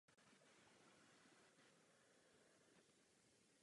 Používá se k barvení hedvábí a vlny.